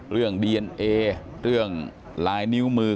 เรื่องดีเอนเอเรื่องลายนิ้วมือ